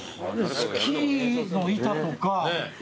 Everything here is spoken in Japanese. スキーの板とか。